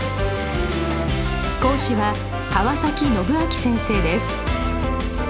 講師は川宣昭先生です。